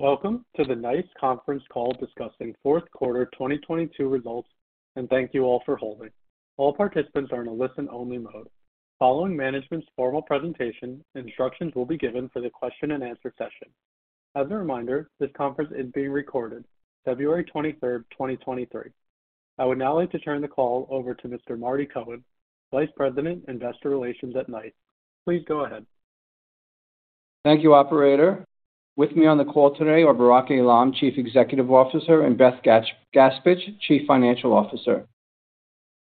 Welcome to the NICE conference call discussing fourth quarter 2022 results. Thank you all for holding. All participants are in a listen-only mode. Following management's formal presentation, instructions will be given for the question and answer session. As a reminder, this conference is being recorded February 23, 2023. I would now like to turn the call over to Mr. Marty Cohen, Vice President Investor Relations at NICE. Please go ahead. Thank you, operator. With me on the call today are Barak Eilam, Chief Executive Officer, and Beth Gaspich, Chief Financial Officer.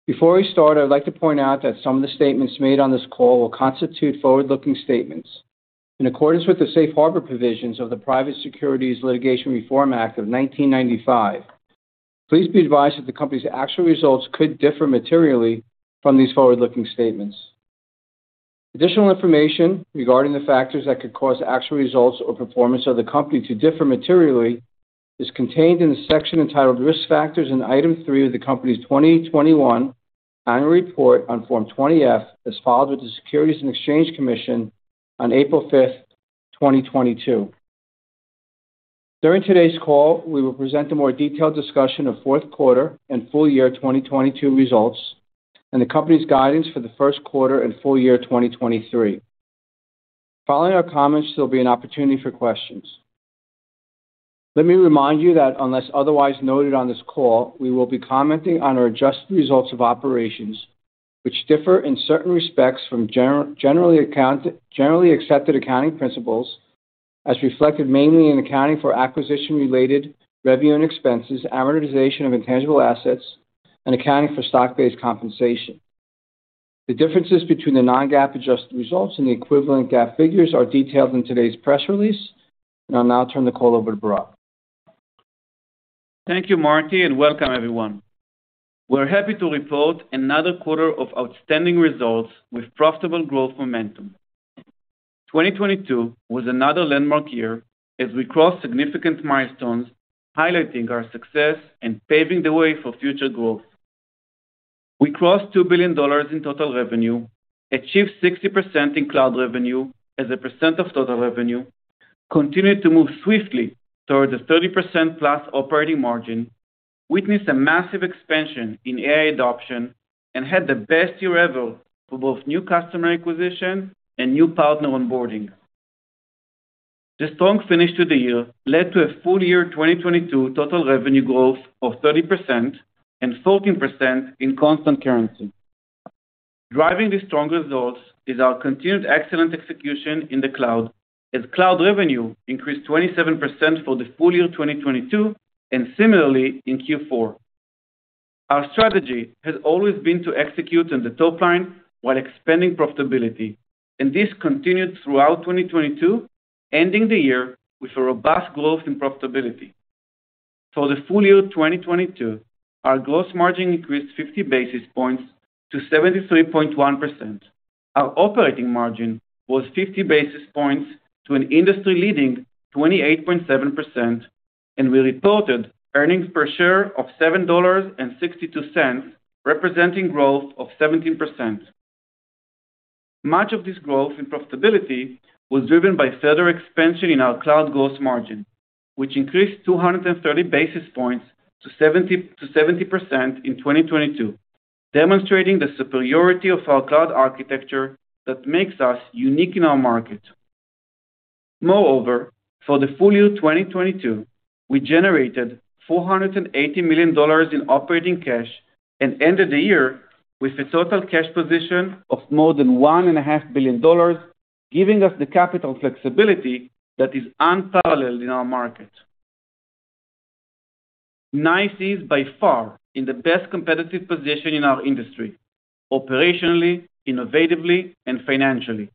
Before we start, I'd like to point out that some of the statements made on this call will constitute forward-looking statements. In accordance with the safe harbor provisions of the Private Securities Litigation Reform Act of 1995, please be advised that the company's actual results could differ materially from these forward-looking statements. Additional information regarding the factors that could cause actual results or performance of the company to differ materially is contained in the section entitled Risk Factors in item three of the company's 2021 annual report on Form 20-F, as filed with the Securities and Exchange Commission on April 5, 2022. During today's call, we will present a more detailed discussion of fourth quarter and full year 2022 results, and the company's guidance for the first quarter and full year 2023. Following our comments, there'll be an opportunity for questions. Let me remind you that unless otherwise noted on this call, we will be commenting on our Adjusted results of operations, which differ in certain respects from generally accepted accounting principles, as reflected mainly in accounting for acquisition-related revenue and expenses, amortization of intangible assets, and accounting for stock-based compensation. The differences between the non-GAAP Adjusted results and the equivalent GAAP figures are detailed in today's press release. I'll now turn the call over to Barak. Thank you, Marty, and welcome everyone. We're happy to report another quarter of outstanding results with profitable growth momentum. 2022 was another landmark year as we crossed significant milestones, highlighting our success and paving the way for future growth. We crossed $2 billion in total revenue, achieved 60% in Cloud revenue as a percent of total revenue, continued to move swiftly towards a 30%+ operating margin, witnessed a massive expansion in AI adoption, and had the best year ever for both new customer acquisition and new partner onboarding. The strong finish to the year led to a full year 2022 total revenue growth of 30% and 14% in constant currency. Driving these strong results is our continued excellent execution in the cloud, as Cloud revenue increased 27% for the full year 2022, and similarly in Q4. Our strategy has always been to execute on the top line while expanding profitability. This continued throughout 2022, ending the year with a robust growth in profitability. For the full year 2022, our gross margin increased 50 basis points to 73.1%. Our operating margin was 50 basis points to an industry-leading 28.7%. We reported earnings per share of $7.62, representing growth of 17%. Much of this growth and profitability was driven by further expansion in our Cloud gross margin, which increased 230 basis points to 70% in 2022, demonstrating the superiority of our Cloud architecture that makes us unique in our market. Moreover, for the full year 2022, we generated $480 million in operating cash and ended the year with a total cash position of more than one and a half billion dollars, giving us the capital flexibility that is unparalleled in our market. NICE is by far in the best competitive position in our industry, operationally, innovatively, and financially,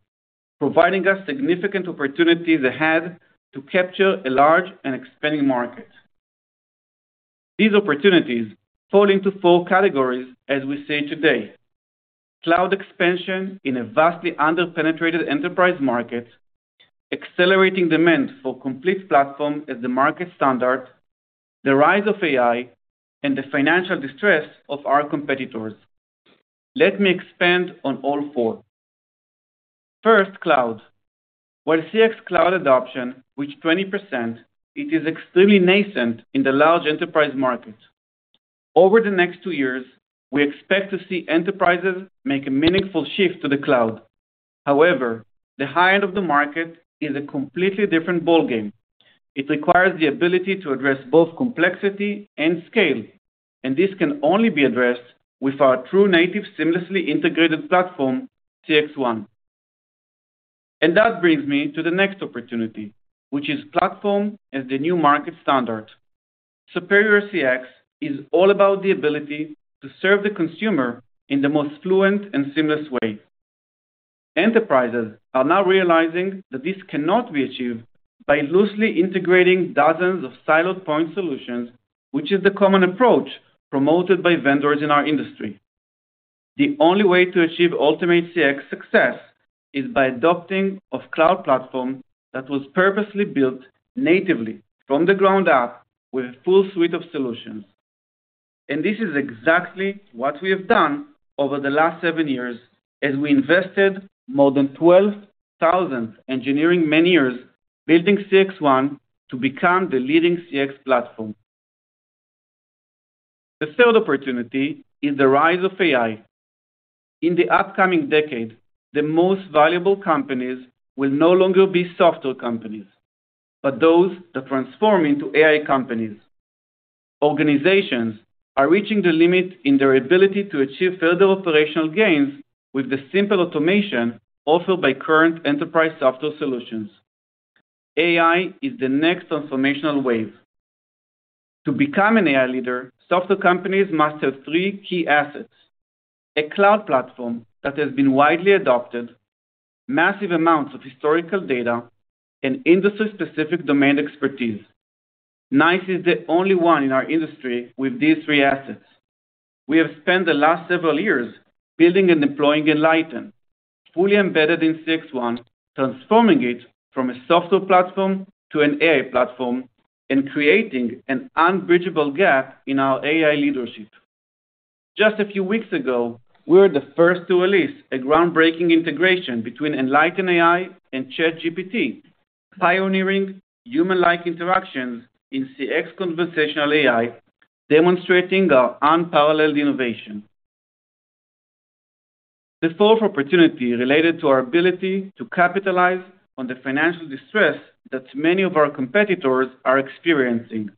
providing us significant opportunities ahead to capture a large and expanding market. These opportunities fall into four categories as we see today. Cloud expansion in a vastly under-penetrated enterprise market, accelerating demand for complete platform as the market standard, the rise of AI, and the financial distress of our competitors. Let me expand on all four. First, cloud. While CX Cloud adoption, which 20%, it is extremely nascent in the large enterprise market. Over the next two years, we expect to see enterprises make a meaningful shift to the cloud. However, the high end of the market is a completely different ballgame. It requires the ability to address both complexity and scale, and this can only be addressed with our true native seamlessly integrated platform, CXone. That brings me to the next opportunity, which is platform as the new market standard. Superior CX is all about the ability to serve the consumer in the most fluent and seamless way. Enterprises are now realizing that this cannot be achieved by loosely integrating dozens of siloed point solutions, which is the common approach promoted by vendors in our industry. The only way to achieve ultimate CX success is by adopting of Cloud platform that was purposely built natively from the ground up with a full suite of solutions. This is exactly what we have done over the last seven years as we invested more than 12,000 engineering man-years building CXone to become the leading CX platform. The third opportunity is the rise of AI. In the upcoming decade, the most valuable companies will no longer be software companies, but those that transform into AI companies. Organizations are reaching the limit in their ability to achieve further operational gains with the simple automation offered by current enterprise software solutions. AI is the next transformational wave. To become an AI leader, software companies must have three key assets: a Cloud platform that has been widely adopted, massive amounts of historical data, and industry-specific domain expertise. NICE is the only one in our industry with these three assets. We have spent the last several years building and deploying Enlighten, fully embedded in CXone, transforming it from a software platform to an AI platform and creating an unbridgeable gap in our AI leadership. Just a few weeks ago, we were the first to release a groundbreaking integration between Enlighten AI and ChatGPT, pioneering human-like interactions in CX conversational AI, demonstrating our unparalleled innovation. The fourth opportunity related to our ability to capitalize on the financial distress that many of our competitors are experiencing.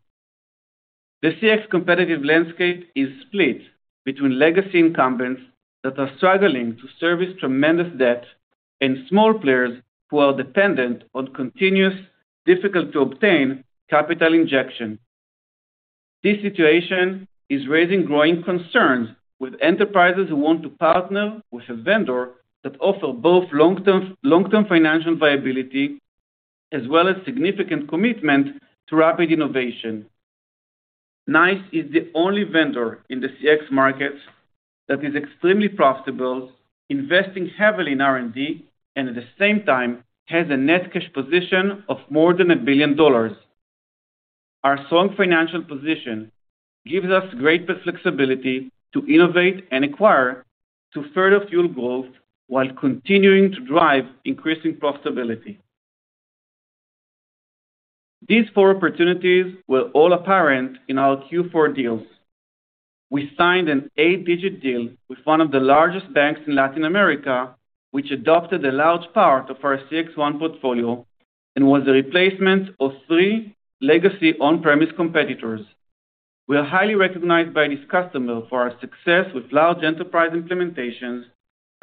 The CX competitive landscape is split between legacy incumbents that are struggling to service tremendous debt and small players who are dependent on continuous, difficult to obtain capital injection. This situation is raising growing concerns with enterprises who want to partner with a vendor that offer both long-term financial viability, as well as significant commitment to rapid innovation. NICE is the only vendor in the CX market that is extremely profitable, investing heavily in R&D, and at the same time has a net cash position of more than $1 billion. Our strong financial position gives us greater flexibility to innovate and acquire to further fuel growth while continuing to drive increasing profitability. These four opportunities were all apparent in our Q4 deals. We signed an eight-digit deal with one of the largest banks in Latin America, which adopted a large part of our CXone portfolio and was a replacement of three legacy on-premise competitors. We are highly recognized by this customer for our success with large enterprise implementations,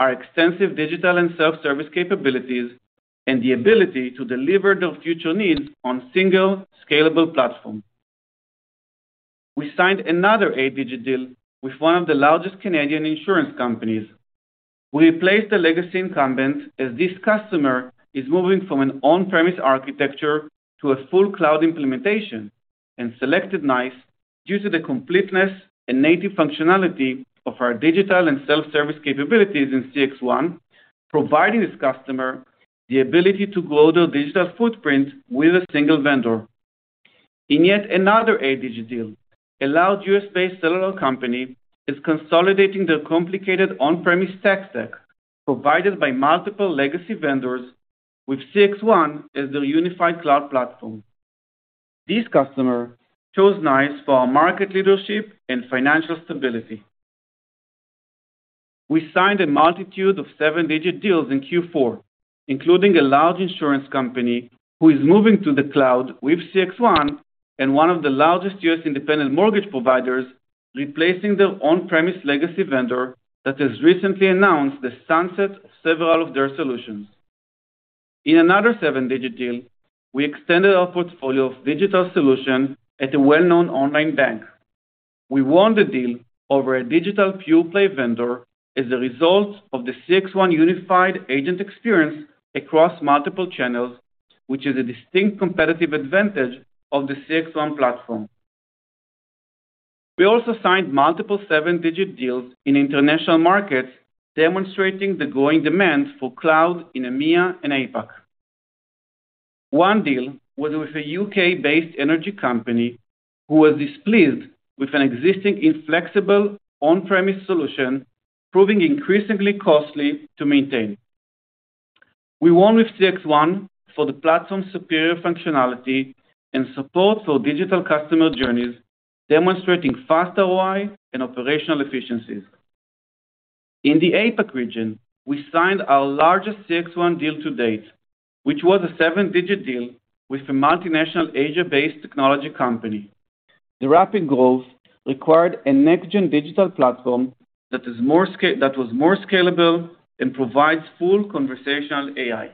our extensive digital and self-service capabilities, and the ability to deliver their future needs on single scalable platform. We signed another eight-digit deal with one of the largest Canadian insurance companies. We replaced the legacy incumbent as this customer is moving from an on-premise architecture to a full cloud implementation and selected NICE due to the completeness and native functionality of our digital and self-service capabilities in CXone, providing this customer the ability to grow their digital footprint with a single vendor. In yet another eight-digit deal, a large U.S.-based cellular company is consolidating their complicated on-premise tech stack provided by multiple legacy vendors with CXone as their unified Cloud platform. This customer chose NICE for our market leadership and financial stability. We signed a multitude of seven-digit deals in Q4, including a large insurance company who is moving to the Cloud with CXone and one of the largest U.S. independent mortgage providers, replacing their on-premise legacy vendor that has recently announced the sunset of several of their solutions. In another seven-digit deal, we extended our portfolio of digital solution at a well-known online bank. We won the deal over a digital pure play vendor as a result of the CXone unified agent experience across multiple channels, which is a distinct competitive advantage of the CXone platform. We also signed multiple seven-digit deals in international markets, demonstrating the growing demand for Cloud in EMEIA and APAC. One deal was with a U.K.-based energy company who was displeased with an existing inflexible on-premise solution, proving increasingly costly to maintain. We won with CXone for the platform's superior functionality and support for digital customer journeys, demonstrating faster ROI and operational efficiencies. In the APAC region, we signed our largest CXone deal to date, which was a seven-digit deal with a multinational Asia-based technology company. The rapid growth required a next-gen digital platform that was more scalable and provides full conversational AI.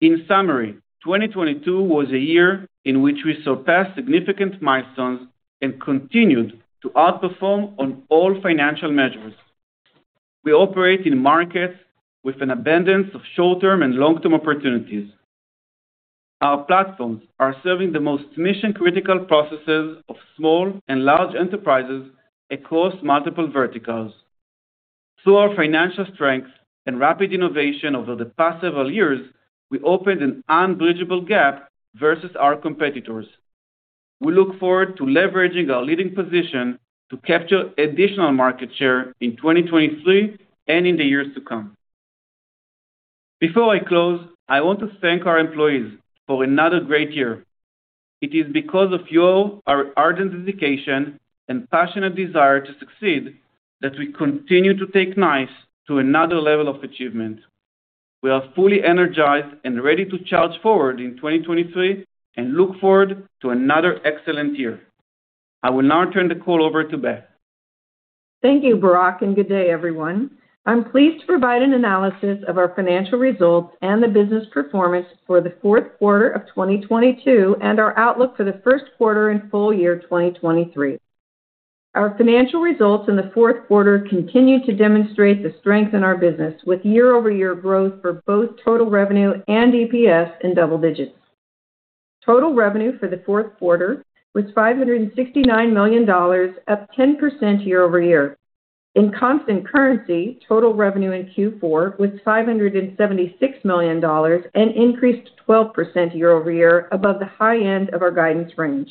In summary, 2022 was a year in which we surpassed significant milestones and continued to outperform on all financial measures. We operate in markets with an abundance of short-term and long-term opportunities. Our platforms are serving the most mission-critical processes of small and large enterprises across multiple verticals. Through our financial strength and rapid innovation over the past several years, we opened an unbridgeable gap versus our competitors. We look forward to leveraging our leading position to capture additional market share in 2023 and in the years to come. Before I close, I want to thank our employees for another great year. It is because of your, our ardent dedication and passionate desire to succeed that we continue to take NICE to another level of achievement. We are fully energized and ready to charge forward in 2023 and look forward to another excellent year. I will now turn the call over to Beth. Thank you, Barak. Good day everyone. I'm pleased to provide an analysis of our financial results and the business performance for the fourth quarter of 2022 and our outlook for the first quarter and full year 2023. Our financial results in the fourth quarter continue to demonstrate the strength in our business with year-over-year growth for both total revenue and EPS in double digits. Total revenue for the fourth quarter was $569 million, up 10% year-over-year. In constant currency, total revenue in Q4 was $576 million and increased 12% year-over-year above the high end of our guidance range.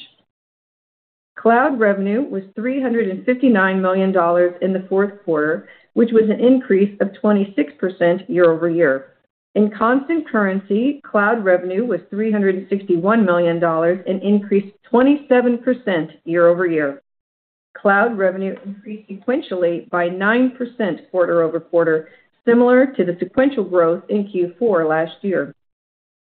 Cloud revenue was $359 million in the fourth quarter, which was an increase of 26% year-over-year. In constant currency, Cloud revenue was $361 million and increased 27% year-over-year. Cloud revenue increased sequentially by 9% quarter-over-quarter, similar to the sequential growth in Q4 last year.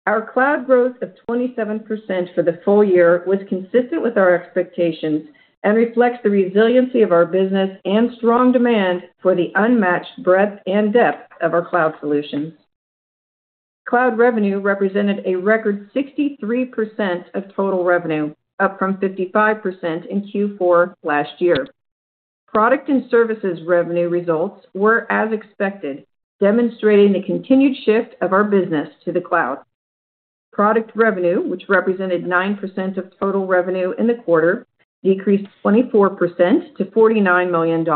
Our Cloud growth of 27% for the full year was consistent with our expectations and reflects the resiliency of our business and strong demand for the unmatched breadth and depth of our Cloud solutions. Cloud revenue represented a record 63% of total revenue, up from 55% in Q4 last year. Product and services revenue results were as expected, demonstrating the continued shift of our business to the cloud. Product revenue, which represented 9% of total revenue in the quarter, decreased 24% to $49 million,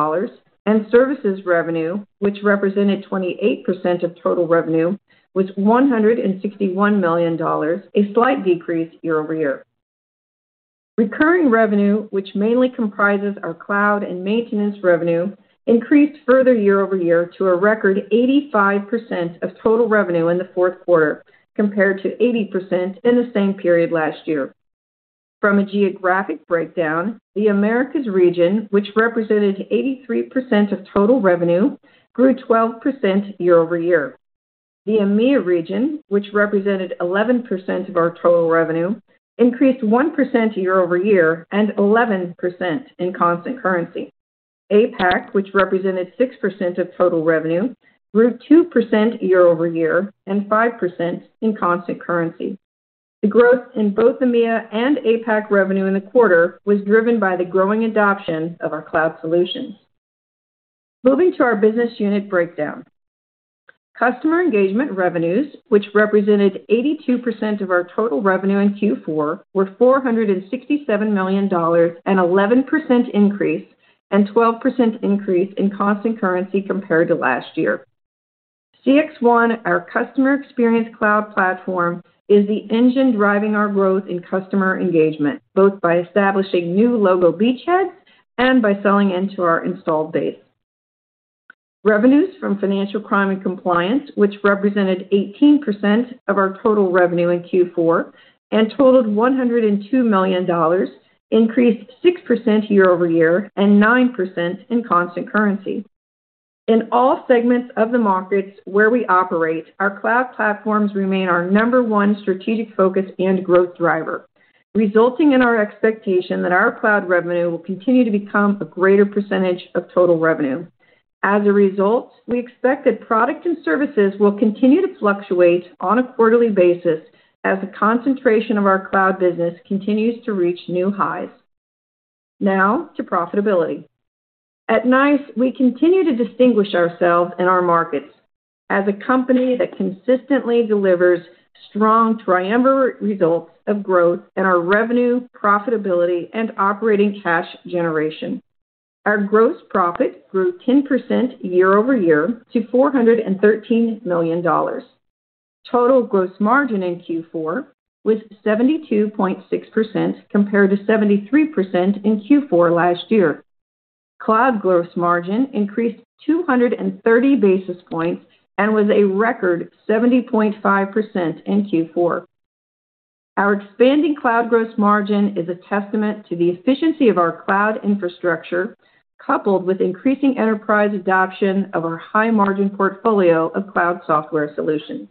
and services revenue, which represented 28% of total revenue, was $161 million, a slight decrease year-over-year. Recurring revenue, which mainly comprises our Cloud and maintenance revenue, increased further year-over-year to a record 85% of total revenue in the fourth quarter, compared to 80% in the same period last year. From a geographic breakdown, the Americas region, which represented 83% of total revenue, grew 12% year-over-year. The EMEIA region, which represented 11% of our total revenue, increased 1% year-over-year and 11% in constant currency. APAC, which represented 6% of total revenue, grew 2% year-over-year and 5% in constant currency. The growth in both EMEIA and APAC revenue in the quarter was driven by the growing adoption of our Cloud solutions. Moving to our business unit breakdown. Customer engagement revenues, which represented 82% of our total revenue in Q4, were $467 million, an 11% increase and 12% increase in constant currency compared to last year. CXone, our customer experience Cloud platform, is the engine driving our growth in customer engagement, both by establishing new logo beachheads and by selling into our installed base. Revenues from financial crime and compliance, which represented 18% of our total revenue in Q4 and totaled $102 million, increased 6% year-over-year and 9% in constant currency. In all segments of the markets where we operate, our Cloud platforms remain our number one strategic focus and growth driver, resulting in our expectation that our Cloud revenue will continue to become a greater percentage of total revenue. We expect that product and services will continue to fluctuate on a quarterly basis as the concentration of our Cloud business continues to reach new highs. To profitability. At NICE, we continue to distinguish ourselves in our markets as a company that consistently delivers strong triumvirate results of growth in our revenue, profitability, and operating cash generation. Our gross profit grew 10% year-over-year to $413 million. Total gross margin in Q4 was 72.6% compared to 73% in Q4 last year. Cloud gross margin increased 230 basis points and was a record 70.5% in Q4. Our expanding Cloud gross margin is a testament to the efficiency of our Cloud infrastructure, coupled with increasing enterprise adoption of our high-margin portfolio of Cloud software solutions.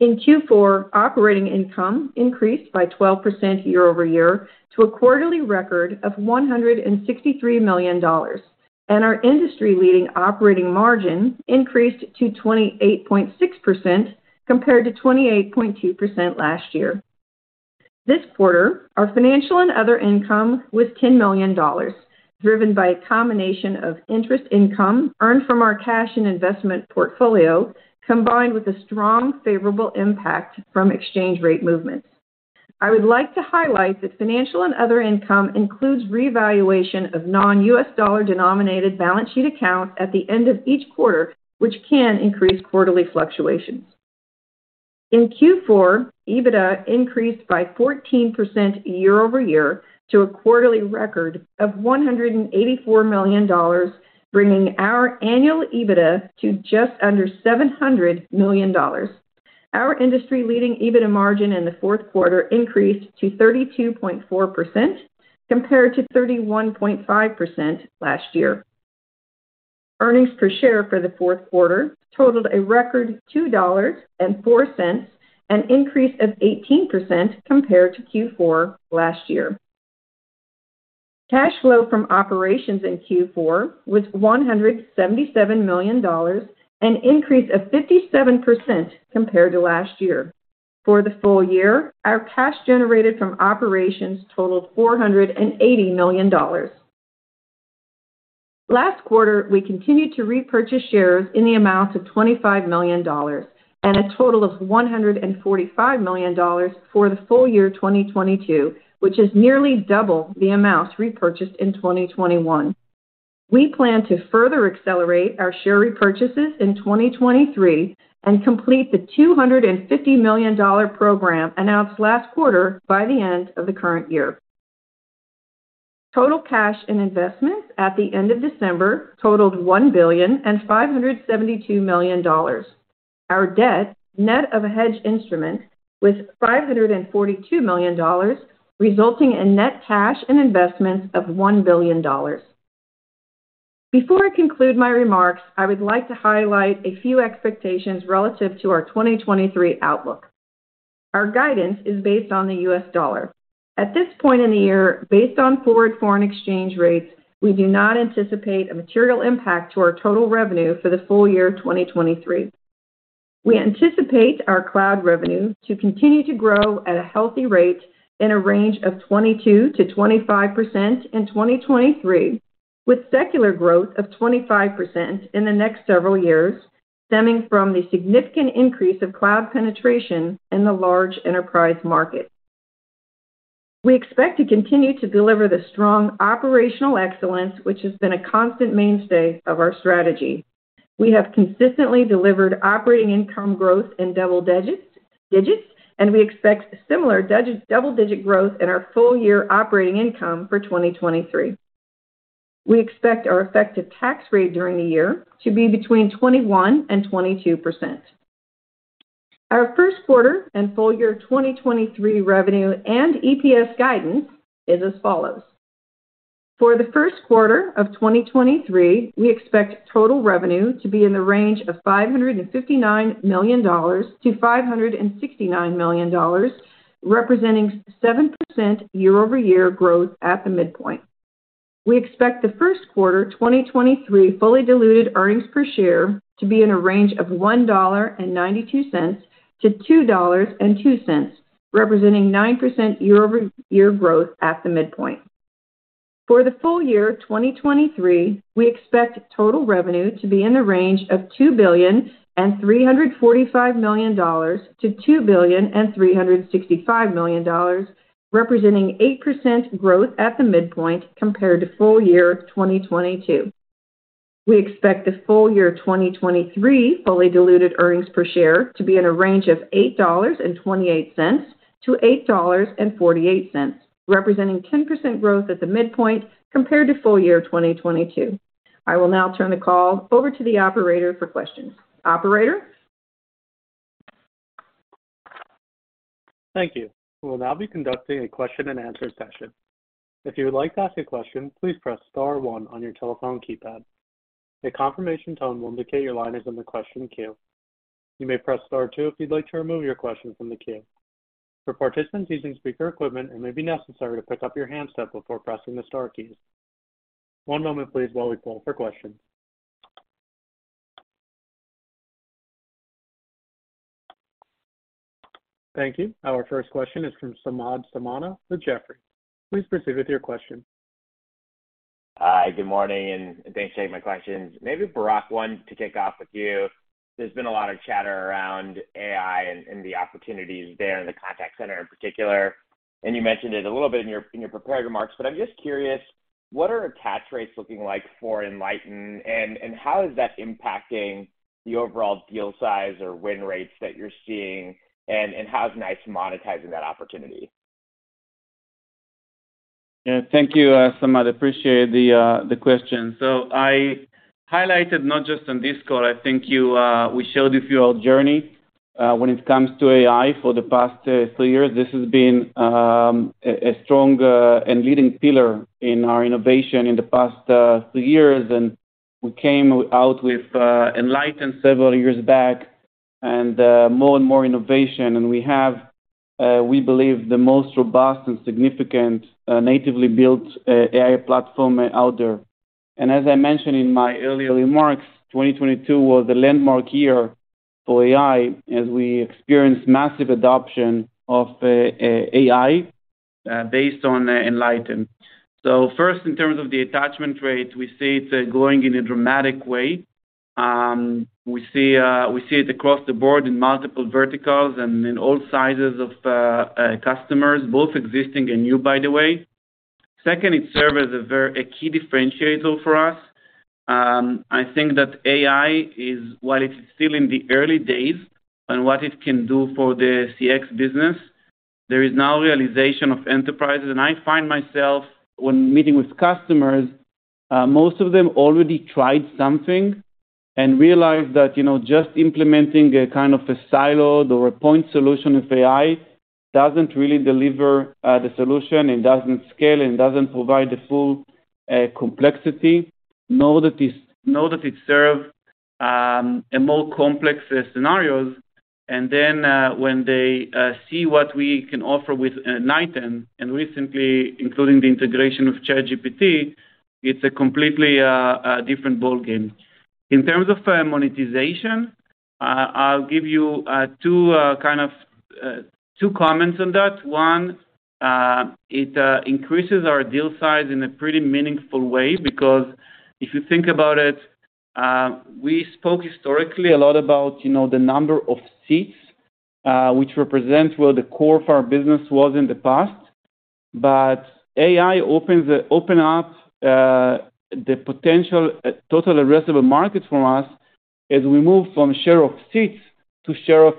In Q4, operating income increased by 12% year-over-year to a quarterly record of $163 million, and our industry-leading operating margin increased to 28.6% compared to 28.2% last year. This quarter, our financial and other income was $10 million, driven by a combination of interest income earned from our cash and investment portfolio, combined with a strong favorable impact from exchange rate movements. I would like to highlight that financial and other income includes revaluation of non-US dollar denominated balance sheet accounts at the end of each quarter, which can increase quarterly fluctuations. In Q4, EBITDA increased by 14% year-over-year to a quarterly record of $184 million, bringing our annual EBITDA to just under $700 million. Our industry leading EBITDA margin in the fourth quarter increased to 32.4% compared to 31.5% last year. Earnings per share for the fourth quarter totaled a record $2.04, an increase of 18% compared to Q4 last year. Cash flow from operations in Q4 was $177 million, an increase of 57% compared to last year. For the full year, our cash generated from operations totaled $480 million. Last quarter, we continued to repurchase shares in the amount of $25 million and a total of $145 million for the full year 2022, which is nearly double the amount repurchased in 2021. We plan to further accelerate our share repurchases in 2023 and complete the $250 million program announced last quarter by the end of the current year. Total cash and investments at the end of December totaled $1.572 billion. Our debt, net of a hedge instrument, was $542 million, resulting in net cash and investments of $1 billion. Before I conclude my remarks, I would like to highlight a few expectations relative to our 2023 outlook. Our guidance is based on the US dollar. At this point in the year, based on forward foreign exchange rates, we do not anticipate a material impact to our total revenue for the full year 2023. We anticipate our Cloud revenue to continue to grow at a healthy rate in a range of 22%-25% in 2023, with secular growth of 25% in the next several years, stemming from the significant increase of Cloud penetration in the large enterprise market. We expect to continue to deliver the strong operational excellence, which has been a constant mainstay of our strategy. We have consistently delivered operating income growth in double-digits. We expect similar double-digit growth in our full year operating income for 2023. We expect our effective tax rate during the year to be between 21% and 22%. Our first quarter and full year 2023 revenue and EPS guidance is as follows. For the first quarter of 2023, we expect total revenue to be in the range of $559 million-$569 million, representing 7% year-over-year growth at the midpoint. We expect the first quarter 2023 fully diluted earnings per share to be in a range of $1.92-$2.02, representing 9% year-over-year growth at the midpoint. For the full year 2023, we expect total revenue to be in the range of $2.345 billion-$2.365 billion, representing 8% growth at the midpoint compared to full year 2022. We expect the full year 2023 fully diluted earnings per share to be in a range of $8.28-$8.48, representing 10% growth at the midpoint compared to full year 2022. I will now turn the call over to the operator for questions. Operator? Thank you. We'll now be conducting a question and answer session. If you would like to ask a question, please press star one on your telephone keypad. A confirmation tone will indicate your line is in the question queue. You may press star two if you'd like to remove your question from the queue. For participants using speaker equipment, it may be necessary to pick up your handset before pressing the star keys. One moment please while we pull for questions. Thank you. Our first question is from Samad Samana with Jefferies. Please proceed with your question. Good morning. Thanks for taking my questions. Maybe Barak, one to kick off with you. There's been a lot of chatter around AI and the opportunities there in the contact center in particular. You mentioned it a little bit in your, in your prepared remarks, but I'm just curious, what are attach rates looking like for Enlighten and how is that impacting the overall deal size or win rates that you're seeing and how's NICE monetizing that opportunity? Yeah. Thank you, Samad. Appreciate the question. I highlighted not just on this call, I think you, we showed you our journey, when it comes to AI for the past three years. This has been a strong and leading pillar in our innovation in the past, three years. We came out with Enlighten several years back and more and more innovation. We have, we believe the most robust and significant, natively built, AI platform out there. As I mentioned in my earlier remarks, 2022 was a landmark year for AI as we experienced massive adoption of AI. Based on Enlighten. First, in terms of the attachment rate, we see it's growing in a dramatic way. We see it across the board in multiple verticals and in all sizes of customers, both existing and new, by the way. Second, it serve as a key differentiator for us. I think that AI is while it's still in the early days on what it can do for the CX business, there is now realization of enterprises. I find myself, when meeting with customers, most of them already tried something and realized that, you know, just implementing a kind of a siloed or a point solution with AI doesn't really deliver the solution. It doesn't scale, and it doesn't provide the full complexity nor that it serve a more complex scenarios. Then, when they see what we can offer with Enlighten and recently including the integration of ChatGPT, it's a completely different ballgame. In terms of monetization, I'll give you two kind of two comments on that. One, it increases our deal size in a pretty meaningful way because if you think about it, we spoke historically a lot about, you know, the number of seats, which represent where the core of our business was in the past. AI open up the potential total addressable market from us as we move from share of seats to share of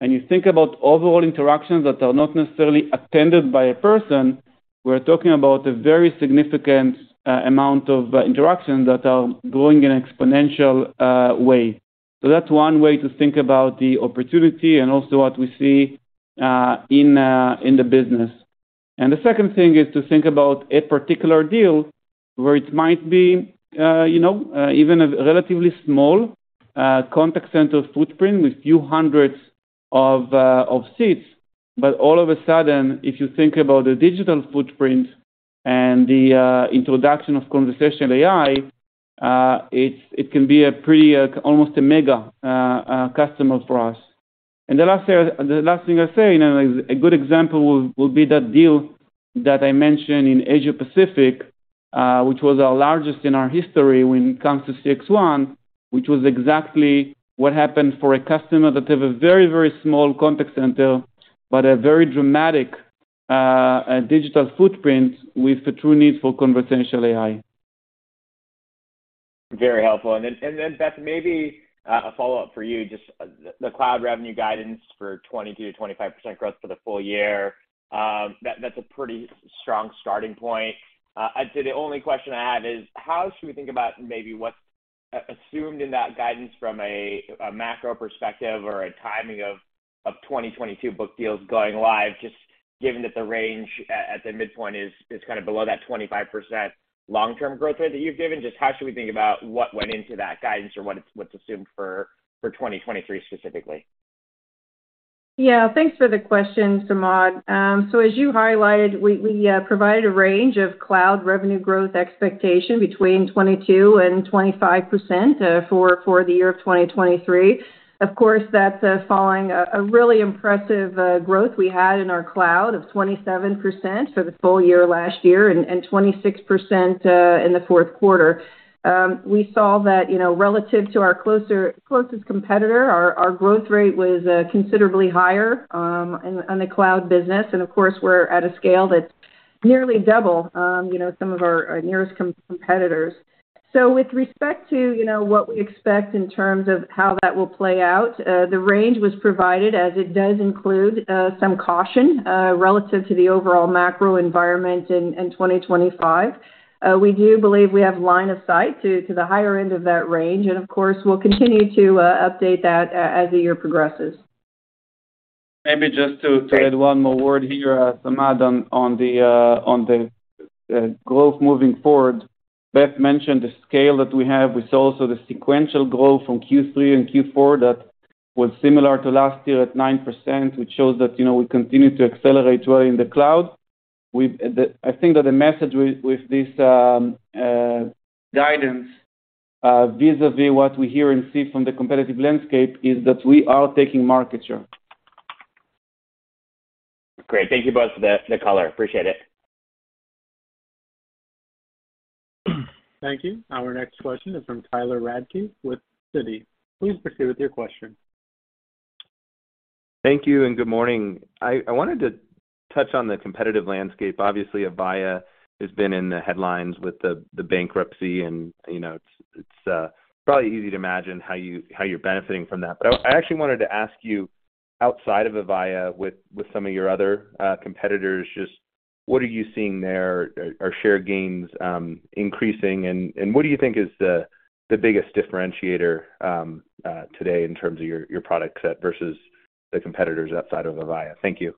interactions. You think about overall interactions that are not necessarily attended by a person, we're talking about a very significant amount of interactions that are growing in an exponential way. That's one way to think about the opportunity and also what we see, in the business. The second thing is to think about a particular deal where it might be, you know, even a relatively small, contact center footprint with few hundreds of seats. All of a sudden, if you think about the digital footprint and the introduction of conversational AI, it can be a pretty, almost a mega, customer for us. The last thing I say, you know, a good example will be that deal that I mentioned in Asia Pacific, which was our largest in our history when it comes to CXone, which was exactly what happened for a customer that have a very, very small contact center, but a very dramatic digital footprint with the true need for conversational AI. Very helpful. Then, Beth, maybe a follow-up for you. Just the Cloud revenue guidance for 22%-25% growth for the full year, that's a pretty strong starting point. I'd say the only question I have is how should we think about maybe what's assumed in that guidance from a macro perspective or a timing of 2022 book deals going live, just given that the range at the midpoint is kinda below that 25% long-term growth rate that you've given? Just how should we think about what went into that guidance or what's assumed for 2023 specifically? Yeah. Thanks for the question, Samad. So as you highlighted, we provided a range of Cloud revenue growth expectation between 22%-25% for the year of 2023. Of course, that's following a really impressive growth we had in our cloud of 27% for the full year last year and 26% in the fourth quarter. We saw that, you know, relative to our closest competitor, our growth rate was considerably higher on the Cloud business. Of course, we're at a scale that's nearly double, you know, some of our nearest competitors. With respect to, you know, what we expect in terms of how that will play out, the range was provided as it does include some caution relative to the overall macro environment in 2025. We do believe we have line of sight to the higher end of that range, of course, we'll continue to update that as the year progresses. Maybe just to- Great to add one more word here, Samad, on the growth moving forward. Beth mentioned the scale that we have. We saw also the sequential growth from Q3 and Q4 that was similar to last year at 9%, which shows that, you know, we continue to accelerate well in the cloud. I think that the message with this guidance, vis-à-vis what we hear and see from the competitive landscape is that we are taking market share. Great. Thank you both for the color. Appreciate it. Thank you. Our next question is from Tyler Radke with Citi. Please proceed with your question. Thank you. Good morning. I wanted to touch on the competitive landscape. Obviously, Avaya has been in the headlines with the bankruptcy and, you know, it's probably easy to imagine how you're benefiting from that. I actually wanted to ask you outside of Avaya with some of your other competitors, just what are you seeing there? Are share gains increasing? What do you think is the biggest differentiator today in terms of your product set versus the competitors outside of Avaya? Thank you.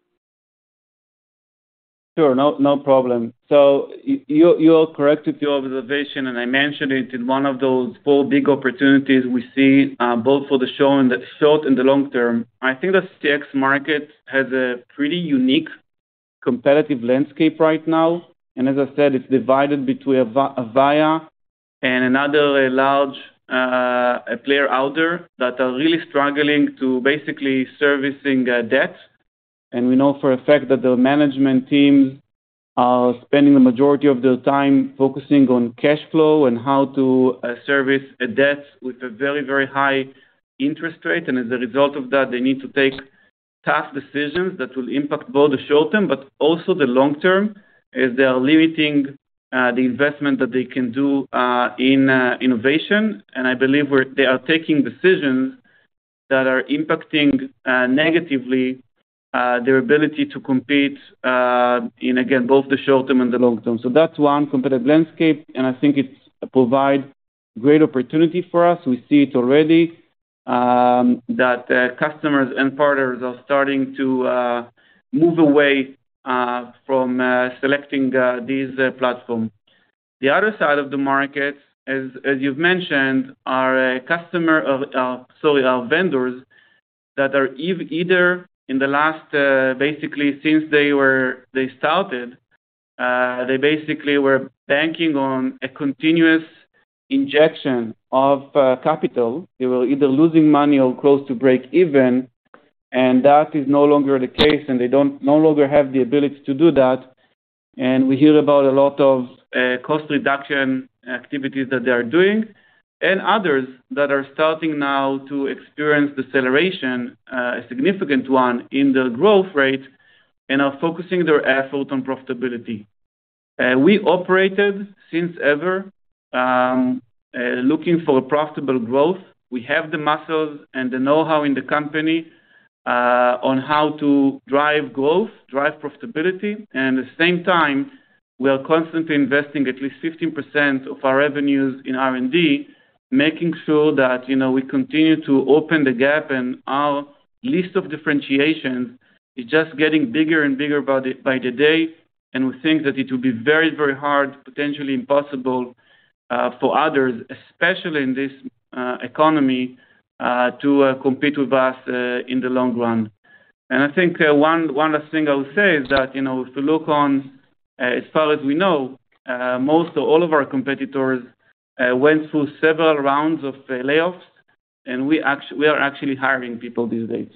Sure. No problem. You are correct with your observation, and I mentioned it in one of those four big opportunities we see, both for the show and the short and the long term. I think the CX market has a pretty unique competitive landscape right now, and as I said, it's divided between Avaya and another large player out there that are really struggling to basically servicing debt. We know for a fact that the management team are spending the majority of their time focusing on cash flow and how to service a debt with a very, very high interest rate. As a result of that, they need to take tough decisions that will impact both the short term, but also the long term, as they are limiting the investment that they can do in innovation. I believe they are taking decisions that are impacting negatively their ability to compete in, again, both the short term and the long term. That's one competitive landscape, and I think it provide great opportunity for us. We see it already that customers and partners are starting to move away from selecting these platforms. The other side of the market, as you've mentioned, are vendors that are either in the last, basically since they started, they basically were banking on a continuous injection of capital. They were either losing money or close to breakeven, and that is no longer the case, and they don't no longer have the ability to do that. We hear about a lot of cost reduction activities that they are doing. Others that are starting now to experience deceleration, a significant one, in their growth rate and are focusing their effort on profitability. We operated since ever, looking for profitable growth. We have the muscles and the know-how in the company, on how to drive growth, drive profitability. At the same time, we are constantly investing at least 15% of our revenues in R&D, making sure that, you know, we continue to open the gap. Our list of differentiations is just getting bigger and bigger by the day. We think that it will be very, very hard, potentially impossible, for others, especially in this economy, to compete with us in the long run. I think, one last thing I'll say is that, you know, if you look on, as far as we know, most or all of our competitors, went through several rounds of layoffs, and we are actually hiring people these days.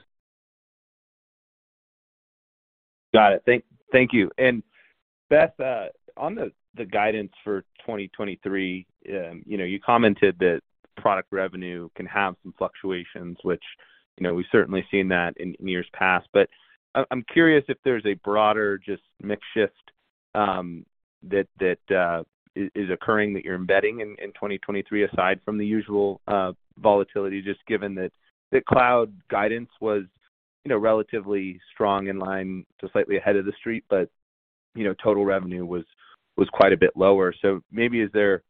Got it. Thank you. Beth, on the guidance for 2023, you know, you commented that product revenue can have some fluctuations, which, you know, we've certainly seen that in years past. But I'm curious if there's a broader just mix shift that is occurring that you're embedding in 2023, aside from the usual volatility, just given that the cloud guidance was, you know, relatively strong in line to slightly ahead of the street. You know, total revenue was quite a bit lower. Maybe is there,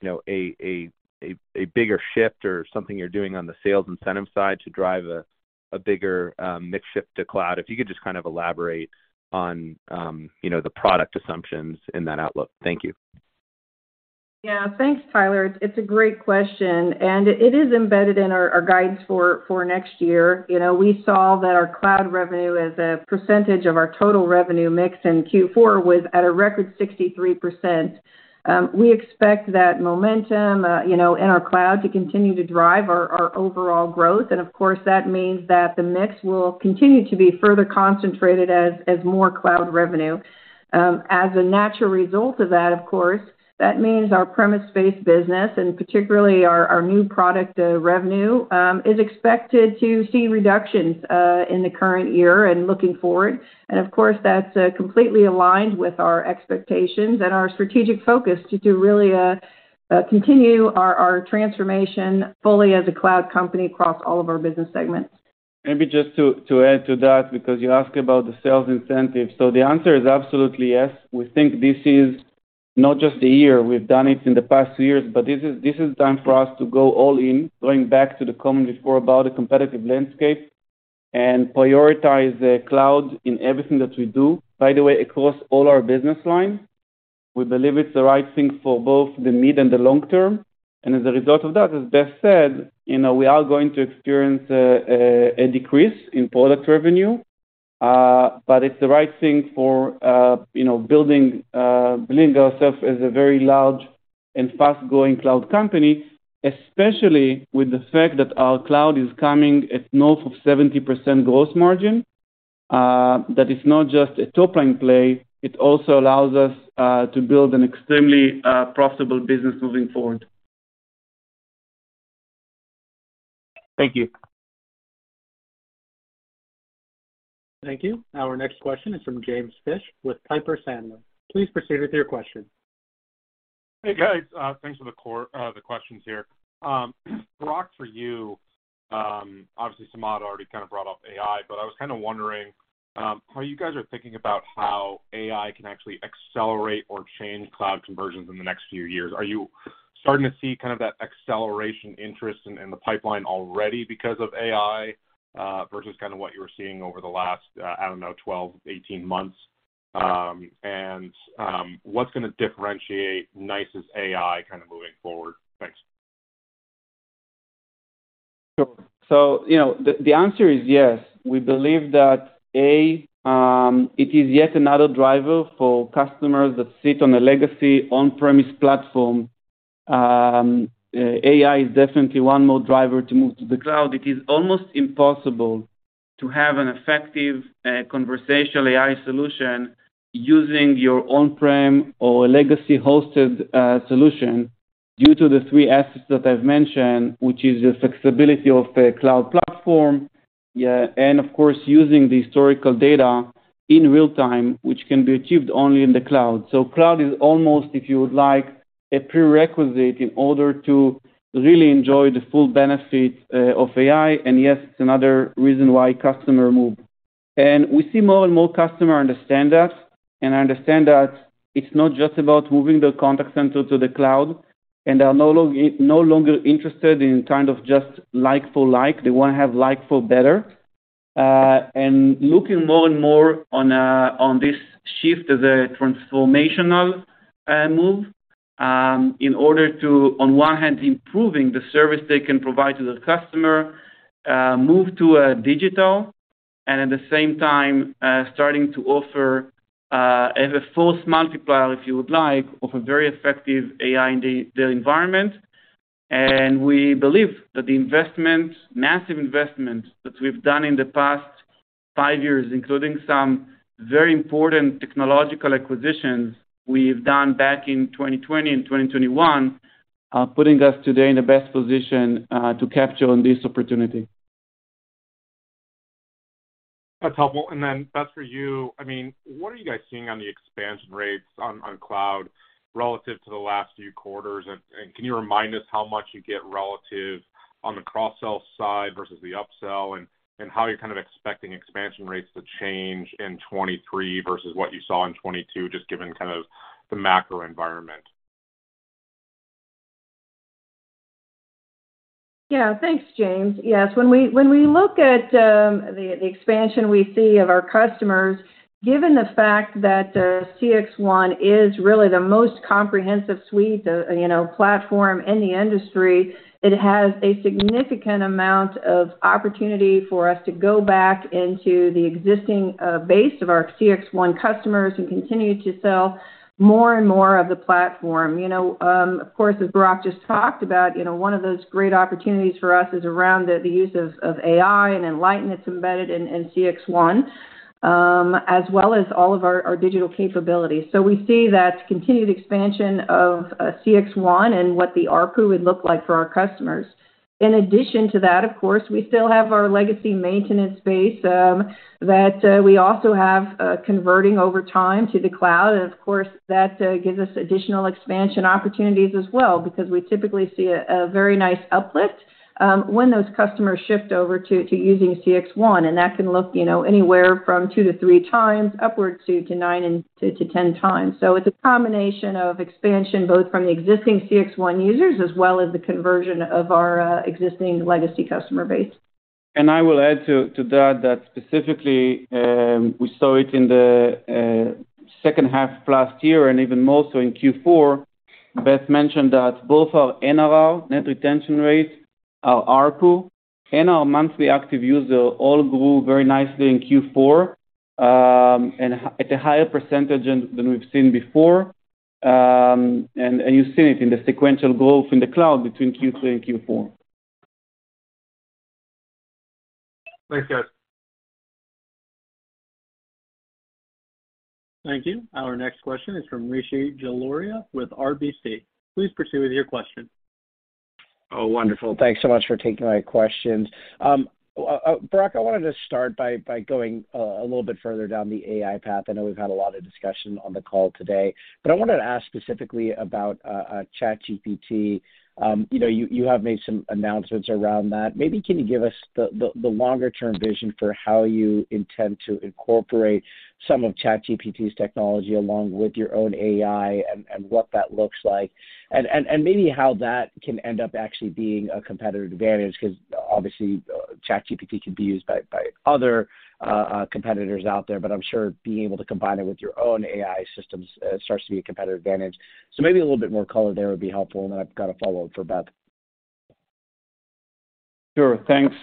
you know, a bigger shift or something you're doing on the sales incentive side to drive a bigger mix shift to cloud? If you could just kind of elaborate on, you know, the product assumptions in that outlook. Thank you. Yeah. Thanks, Tyler. It's a great question, and it is embedded in our guidance for next year. You know, we saw that our Cloud revenue as a percentage of our total revenue mix in Q4 was at a record 63%. We expect that momentum, you know, in our cloud to continue to drive our overall growth. Of course, that means that the mix will continue to be further concentrated as more Cloud revenue. As a natural result of that, of course, that means our premise-based business, and particularly our new product revenue, is expected to see reductions in the current year and looking forward. Of course, that's completely aligned with our expectations and our strategic focus to do really, continue our transformation fully as a Cloud company across all of our business segments. Maybe just to add to that because you asked about the sales incentives. The answer is absolutely yes. We think this is not just a year. We've done it in the past years, but this is time for us to go all in, going back to the comment before about a competitive landscape, and prioritize the cloud in everything that we do. By the way, across all our business lines. We believe it's the right thing for both the mid and the long term. As a result of that, as Beth said, you know, we are going to experience a decrease in product revenue. But it's the right thing for, you know, building ourselves as a very large and fast-growing Cloud company, especially with the fact that our cloud is coming at north of 70% gross margin. That is not just a top-line play, it also allows us to build an extremely profitable business moving forward. Thank you. Thank you. Our next question is from James Fish with Piper Sandler. Please proceed with your question. Hey, guys. Thanks for the questions here. Barak, for you, obviously, Samad already kind of brought up AI, but I was kinda wondering how you guys are thinking about how AI can actually accelerate or change Cloud conversions in the next few years. Are you starting to see kind of that acceleration interest in the pipeline already because of AI versus kind of what you were seeing over the last, I don't know, 12-18 months? What's gonna differentiate NICE's AI kind of moving forward? Thanks. You know, the answer is yes. We believe that A, it is yet another driver for customers that sit on a legacy on-premise platform. AI is definitely one more driver to move to the cloud. It is almost impossible to have an effective conversational AI solution using your on-prem or legacy-hosted solution due to the three assets that I've mentioned, which is the flexibility of the Cloud platform, yeah, and of course, using the historical data in real-time, which can be achieved only in the cloud. Cloud is almost, if you would like, a prerequisite in order to really enjoy the full benefit of AI. Yes, it's another reason why customer move. We see more and more customer understand that, and understand that it's not just about moving the contact center to the cloud, and they are no longer interested in kind of just like for like, they wanna have like for better. Looking more and more on this shift as a transformational move in order to, on one hand, improving the service they can provide to the customer, move to digital, and at the same time, starting to offer as a force multiplier, if you would like, of a very effective AI in their environment. We believe that the investment, massive investment that we've done in the past five years, including some very important technological acquisitions we've done back in 2020 and 2021, are putting us today in the best position to capture on this opportunity. That's helpful. Beth, for you, I mean, what are you guys seeing on the expansion rates on cloud relative to the last few quarters? Can you remind us how much you get relative on the cross-sell side versus the up-sell, and how you're kind of expecting expansion rates to change in 2023 versus what you saw in 2022, just given kind of the macro environment? Yeah. Thanks, James. Yes. When we, when we look at the expansion we see of our customers, given the fact that CXone is really the most comprehensive suite, you know, platform in the industry, it has a significant amount of opportunity for us to go back into the existing base of our CXone customers and continue to sell more and more of the platform. You know, of course, as Barak just talked about, you know, one of those great opportunities for us is around the use of AI and Enlighten that's embedded in CXone, as well as all of our digital capabilities. We see that continued expansion of CXone and what the ARPU would look like for our customers. In addition to that, of course, we still have our legacy maintenance base, that we also have converting over time to the cloud. Of course, that gives us additional expansion opportunities as well because we typically see a very nice uplift when those customers shift over to using CXone, and that can look, you know, anywhere from 2-3 times upwards to 9-10 times. It's a combination of expansion, both from the existing CXone users as well as the conversion of our existing legacy customer base. I will add to that specifically, we saw it in the second half last year and even more so in Q4. Beth mentioned that both our NRR, net retention rate, our ARPU, and our monthly active user all grew very nicely in Q4, and at a higher % than we've seen before. You've seen it in the sequential growth in the cloud between Q3 and Q4. Thanks, guys. Thank you. Our next question is from Rishi Jaluria with RBC. Please proceed with your question. Oh, wonderful. Thanks so much for taking my questions. Barak, I wanted to start by going a little bit further down the AI path. I know we've had a lot of discussion on the call today. I wanted to ask specifically about ChatGPT. You know, you have made some announcements around that. Maybe can you give us the longer-term vision for how you intend to incorporate some of ChatGPT's technology along with your own AI and what that looks like. Maybe how that can end up actually being a competitive advantage 'cause obviously, ChatGPT can be used by other competitors out there. I'm sure being able to combine it with your own AI systems starts to be a competitive advantage. Maybe a little bit more color there would be helpful. Then I've got a follow-up for Beth. Sure. Thanks,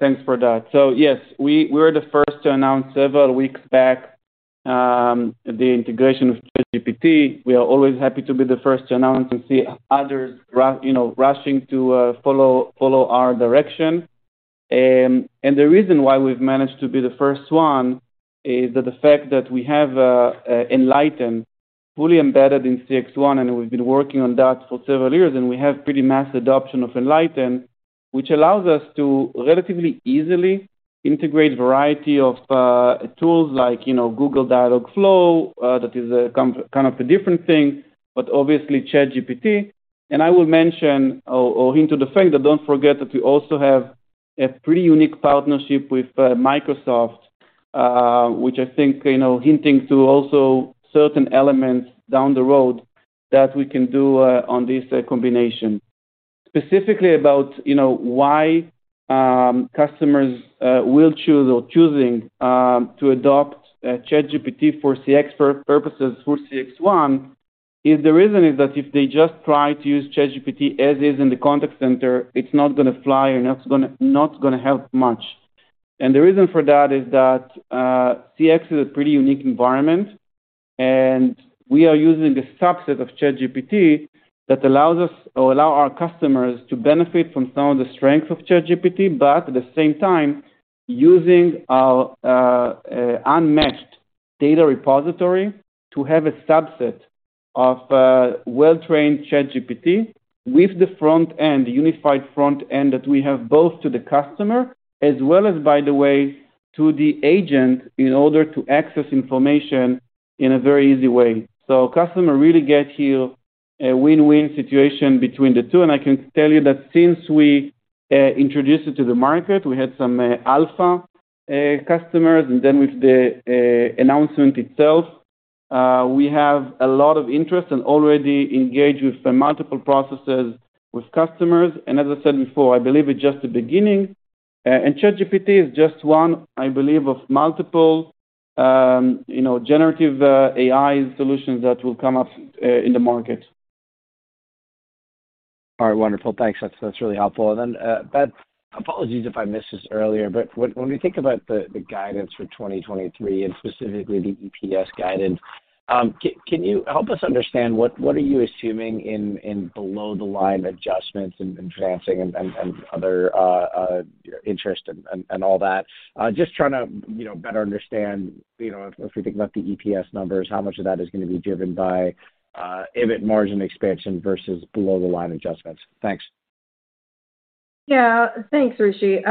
thanks for that. Yes, we were the first to announce several weeks back, the integration of ChatGPT. We are always happy to be the first to announce and see others you know, rushing to follow our direction. The reason why we've managed to be the first one is that the fact that we have Enlighten fully embedded in CXone, and we've been working on that for several years, and we have pretty mass adoption of Enlighten, which allows us to relatively easily integrate variety of tools like, you know, Google Dialogflow, that is kind of a different thing, but obviously ChatGPT. I will mention or hint to the fact that don't forget that we also have a pretty unique partnership with Microsoft, which I think, you know, hinting to also certain elements down the road that we can do on this combination. Specifically about, you know, why customers will choose or choosing to adopt ChatGPT for CX purposes for CXone. Is the reason is that if they just try to use ChatGPT as is in the contact center, it's not gonna fly, and that's not gonna help much. The reason for that is that CX is a pretty unique environment, and we are using a subset of ChatGPT that allows us or allow our customers to benefit from some of the strength of ChatGPT, but at the same time, using our unmatched data repository to have a subset of well-trained ChatGPT with the front end, the unified front end that we have both to the customer as well as, by the way, to the agent in order to access information in a very easy way. Customer really get here a win-win situation between the two, and I can tell you that since we introduced it to the market, we had some alpha customers. With the announcement itself, we have a lot of interest and already engaged with the multiple processes with customers. As I said before, I believe it's just the beginning, and ChatGPT is just one, I believe, of multiple, you know, generative AI solutions that will come up in the market. All right. Wonderful. Thanks. That's really helpful. Then Beth, apologies if I missed this earlier, but when we think about the guidance for 2023 and specifically the EPS guidance, can you help us understand what are you assuming in below the line adjustments and financing and other interest and all that? Just trying to, you know, better understand, you know, if we think about the EPS numbers, how much of that is gonna be driven by EBIT margin expansion versus below the line adjustments. Thanks. Yeah. Thanks, Rishi.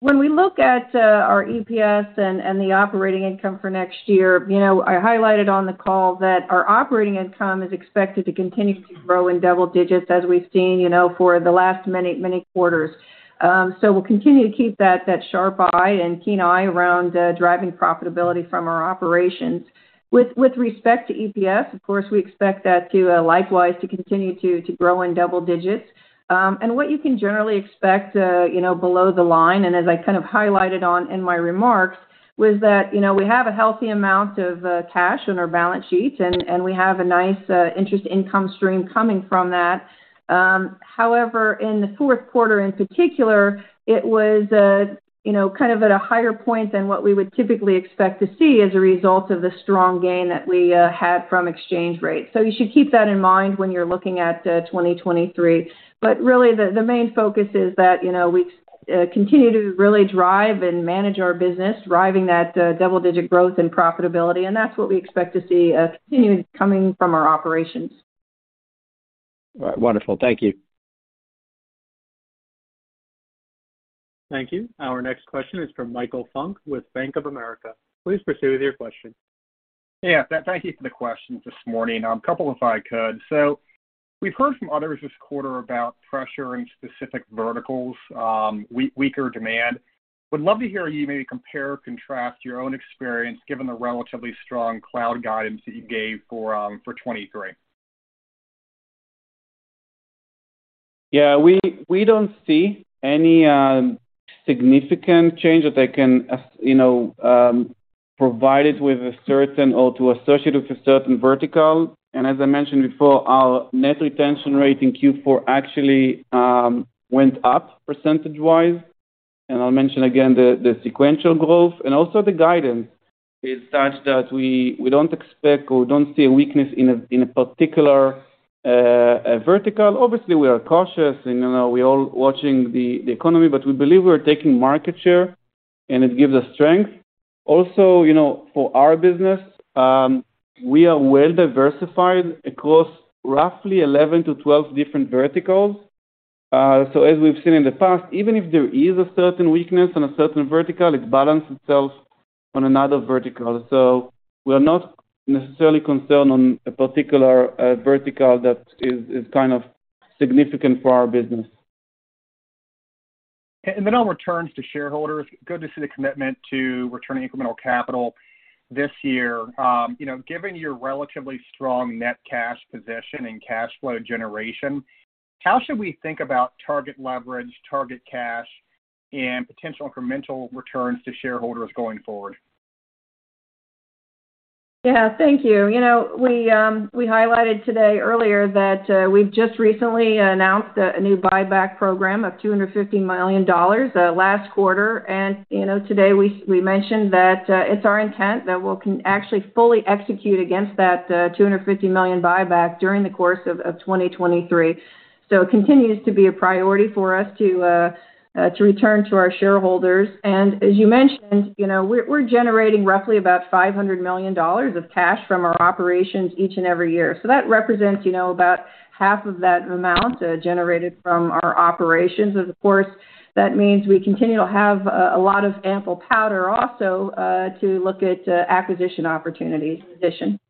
When we look at our EPS and the operating income for next year, you know, I highlighted on the call that our operating income is expected to continue to grow in double digits as we've seen, you know, for the last many, many quarters. We'll continue to keep that sharp eye and keen eye around driving profitability from our operations. With respect to EPS, of course, we expect that to likewise, to continue to grow in double digits. What you can generally expect, you know, below the line, and as I kind of highlighted on in my remarks, was that, you know, we have a healthy amount of cash on our balance sheets, and we have a nice interest income stream coming from that. However, in the fourth quarter in particular, it was, you know, kind of at a higher point than what we would typically expect to see as a result of the strong gain that we had from exchange rates. You should keep that in mind when you're looking at, 2023. Really, the main focus is that, you know, we continue to really drive and manage our business, driving that double-digit growth and profitability, and that's what we expect to see continued coming from our operations. All right. Wonderful. Thank you. Thank you. Our next question is from Michael Funk with Bank of America. Please proceed with your question. Yeah. Thank you for the question this morning. Couple, if I could. We've heard from others this quarter about pressure in specific verticals, weaker demand. Would love to hear you maybe compare or contrast your own experience given the relatively strong cloud guidance that you gave for 2023. We don't see any significant change that I can as, you know, provide it with a certain or to associate it with a certain vertical. As I mentioned before, our net retention rate in Q4 actually went up percentage-wise. I'll mention again the sequential growth. Also the guidance is such that we don't expect or we don't see a weakness in a particular vertical. Obviously, we are cautious and, you know, we're all watching the economy, but we believe we're taking market share, and it gives us strength. Also, you know, for our business, we are well diversified across roughly 11-12 different verticals. As we've seen in the past, even if there is a certain weakness in a certain vertical, it balance itself on another vertical. We're not necessarily concerned on a particular vertical that is kind of significant for our business. On returns to shareholders, good to see the commitment to returning incremental capital this year. you know, given your relatively strong net cash position and cash flow generation, how should we think about target leverage, target cash, and potential incremental returns to shareholders going forward? Thank you. You know, we highlighted today earlier that we've just recently announced a new buyback program of $250 million last quarter. You know, today we mentioned that it's our intent that we'll actually fully execute against that $250 million buyback during the course of 2023. It continues to be a priority for us to return to our shareholders. As you mentioned, you know, we're generating roughly about $500 million of cash from our operations each and every year. That represents, you know, about half of that amount generated from our operations. Of course, that means we continue to have a lot of ample powder also to look at acquisition opportunities in addition.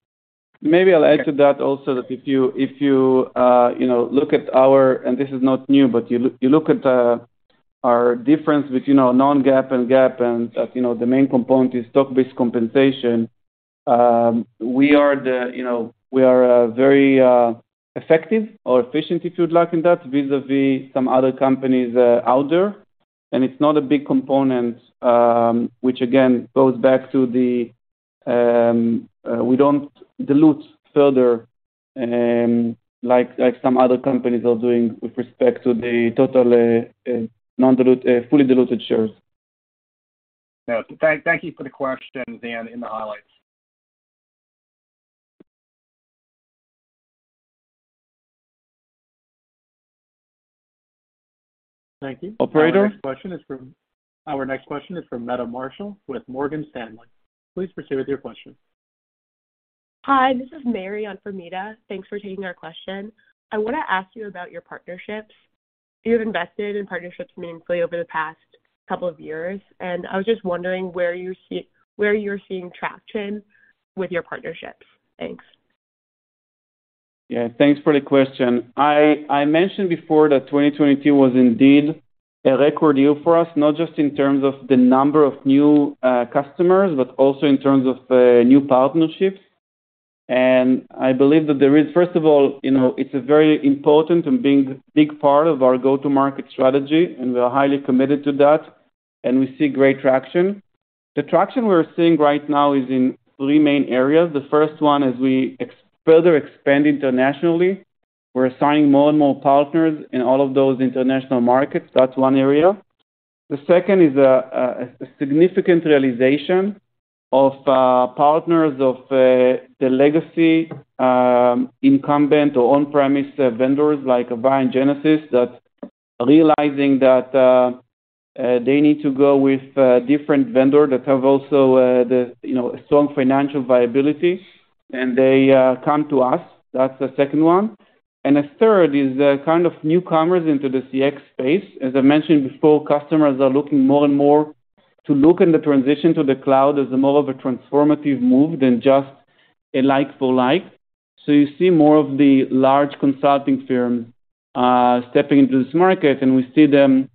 Maybe I'll add to that also that if you know, look at our. This is not new, but you look at our difference between our non-GAAP and GAAP and, as you know, the main component is stock-based compensation. We are the, you know, we are very effective or efficient, if you'd like, in that vis-a-vis some other companies out there. It's not a big component, which again, goes back to the, we don't dilute further, like some other companies are doing with respect to the total fully diluted shares. No. Thank you for the question, Beth, and Barak Thank you. Operator. Our next question is from Meta Marshall with Morgan Stanley. Please proceed with your question. Hi, this is Mary on for Meta. Thanks for taking our question. I wanna ask you about your partnerships. You've invested in partnerships meaningfully over the past couple of years. I was just wondering where you're seeing traction with your partnerships. Thanks. Yeah, thanks for the question. I mentioned before that 2022 was indeed a record year for us, not just in terms of the number of new customers, but also in terms of new partnerships. I believe that First of all, you know, it's a very important and being a big part of our go-to-market strategy, and we're highly committed to that, and we see great traction. The traction we're seeing right now is in three main areas. The first one is we further expand internationally. We're assigning more and more partners in all of those international markets. That's one area. The second is a significant realization of partners of the legacy incumbent or on-premise vendors like Avaya and Genesys that realizing that they need to go with a different vendor that have also the, you know, strong financial viability, and they come to us. That's the second one. The third is the kind of newcomers into the CX space. As I mentioned before, customers are looking more and more to look in the transition to the cloud as more of a transformative move than just a like for like. You see more of the large consulting firms stepping into this market, and we see them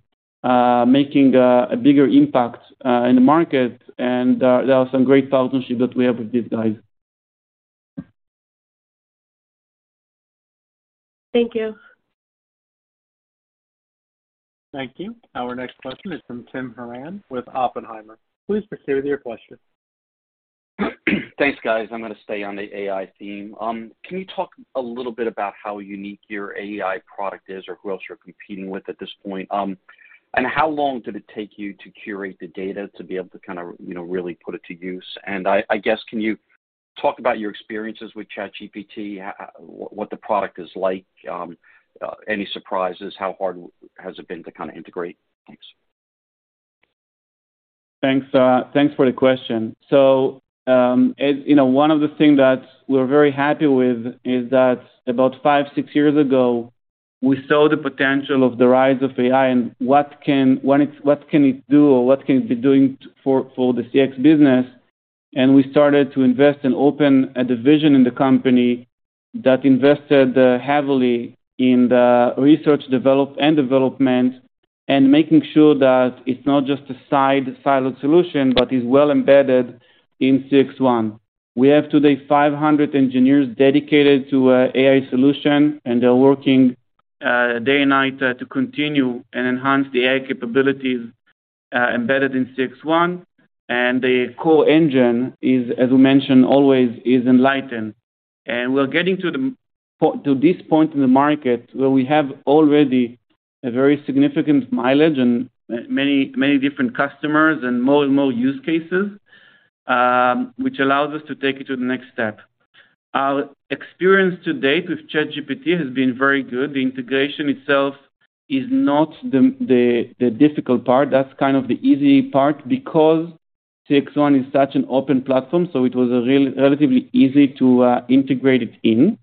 making a bigger impact in the market. There, there are some great partnerships that we have with these guys. Thank you. Thank you. Our next question is from Tim Horan with Oppenheimer. Please proceed with your question. Thanks, guys. I'm gonna stay on the AI theme. Can you talk a little bit about how unique your AI product is or who else you're competing with at this point, and how long did it take you to curate the data to be able to kind of, you know, really put it to use? I guess can you talk about your experiences with ChatGPT, what the product is like, any surprises, how hard has it been to kinda integrate? Thanks. Thanks, thanks for the question. You know, one of the things that we're very happy with is that about five, six years ago, we saw the potential of the rise of AI and what can it do or what can it be doing for the CX business. We started to invest and open a division in the company that invested heavily in the research, develop, and development and making sure that it's not just a side siloed solution, but is well embedded in CXone. We have today 500 engineers dedicated to AI solution, and they're working day and night to continue and enhance the AI capabilities embedded in CXone. The core engine is, as we mentioned, always is Enlighten. We're getting to this point in the market where we have already a very significant mileage and many different customers and more and more use cases, which allows us to take it to the next step. Our experience to date with ChatGPT has been very good. The integration itself is not the difficult part. That's kind of the easy part because CXone is such an open platform, it was relatively easy to integrate it in.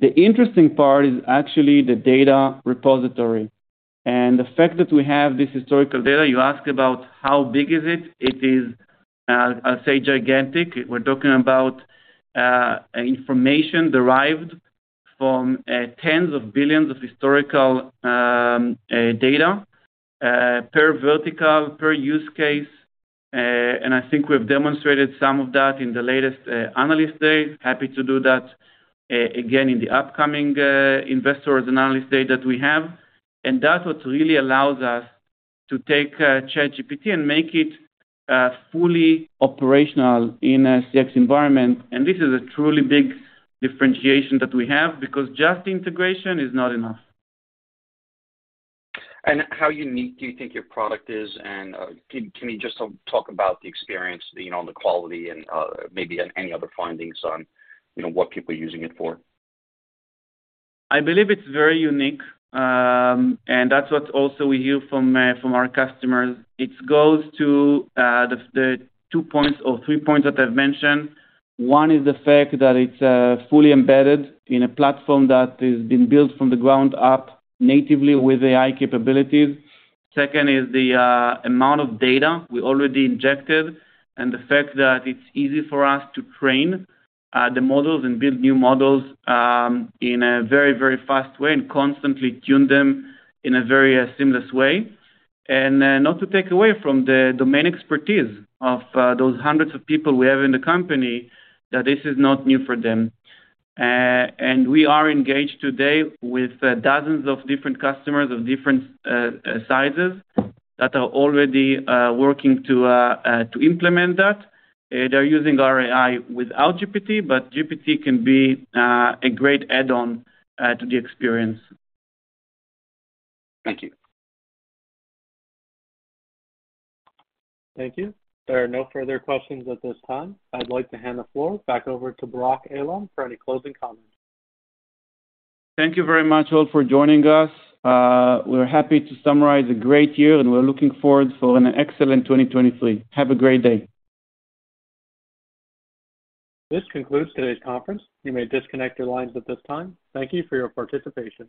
The interesting part is actually the data repository. The fact that we have this historical data, you ask about how big is it. It is, I'll say gigantic. We're talking about information derived from tens of billions of historical data per vertical, per use case. we have demonstrated some of that in the latest analyst day. Happy to do that again in the upcoming investors and analyst day that we have. That's what really allows us to take ChatGPT and make it fully operational in a CX environment. This is a truly big differentiation that we have because just integration is not enough. How unique do you think your product is? Can you just talk about the experience, you know, and the quality and, maybe any other findings on, you know, what people are using it for? I believe it's very unique, and that's what also we hear from our customers. It goes to the two points or three points that I've mentioned. One is the fact that it's fully embedded in a platform that has been built from the ground up natively with AI capabilities. Second is the amount of data we already injected and the fact that it's easy for us to train the models and build new models in a very, very fast way and constantly tune them in a very seamless way. Not to take away from the domain expertise of those hundreds of people we have in the company, that this is not new for them. We are engaged today with dozens of different customers of different sizes that are already working to implement that. They're using our AI without GPT, but GPT can be a great add-on to the experience. Thank you. Thank you. There are no further questions at this time. I'd like to hand the floor back over to Barak Eilam for any closing comments. Thank you very much all for joining us. We're happy to summarize a great year, and we're looking forward for an excellent 2023. Have a great day. This concludes today's conference. You may disconnect your lines at this time. Thank you for your participation.